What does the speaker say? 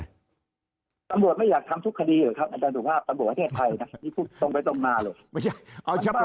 ตำรวจไม่อยากทำทุกคดีหรือครับอาจารย์สุขภาพตำรวจประเทศไพรนะ